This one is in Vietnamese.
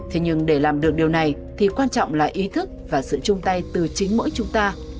thế nhưng để làm được điều này thì quan trọng là ý thức và sự chung tay từ chính mỗi chúng ta